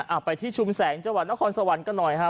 อ่ะไปที่ชุมแสงจนสวรรค์ก็หน่อยฮะ